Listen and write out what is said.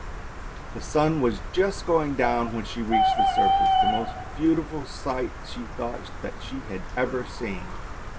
The sun was just going down when she reached the surface, the most beautiful sight, she thought, that she had ever seen.